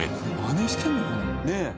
ねえ。